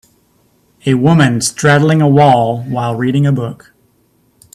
A woman straddling a wall, while reading a book.